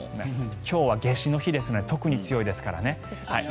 今日は夏至の日で特に強いですからね。